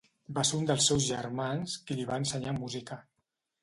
Va ser un dels seus germans qui li va ensenyar música.